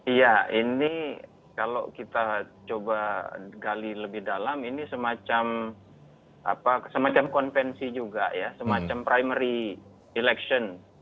iya ini kalau kita coba gali lebih dalam ini semacam konvensi juga ya semacam primary election